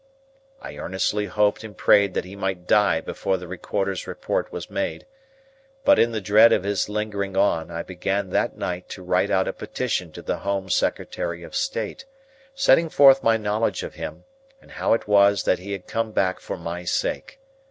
I earnestly hoped and prayed that he might die before the Recorder's Report was made; but, in the dread of his lingering on, I began that night to write out a petition to the Home Secretary of State, setting forth my knowledge of him, and how it was that he had come back for my sake.